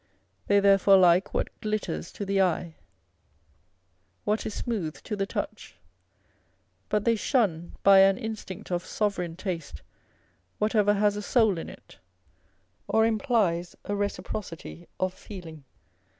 They therefore like what glitters to the eye, what is smooth to the touch ; but they shun, by an instinct of sovereign taste, whatever has a soul in it, or implies a reciprocity of feeling.